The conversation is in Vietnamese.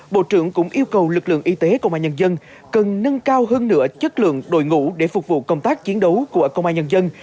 bộ trưởng cũng yêu cầu lực lượng y tế công an nhân dân cần nâng cao hơn nửa chất lượng đội ngũ để phục vụ công tác chiến đấu của công an nhân dân